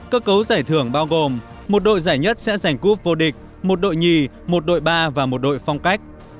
cơ cấu giải thưởng bao gồm một đội giải nhất sẽ giành cúp vô địch một đội nhì một đội ba và một đội phong cách